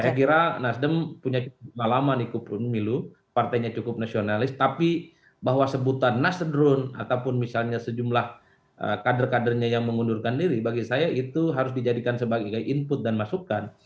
saya kira nasdem punya pengalaman ikut pemilu partainya cukup nasionalis tapi bahwa sebutan nasdem ataupun misalnya sejumlah kader kadernya yang mengundurkan diri bagi saya itu harus dijadikan sebagai input dan masukan